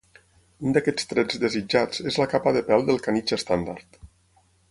Un d'aquests trets desitjats és la capa de pèl del canitx estàndard.